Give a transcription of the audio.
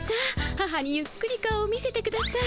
母にゆっくり顔を見せてください。